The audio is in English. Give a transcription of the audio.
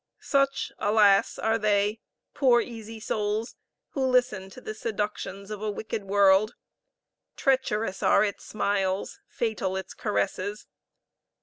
Such, alas! are they, poor easy souls, who listen to the seductions of a wicked world; treacherous are its smiles, fatal its caresses!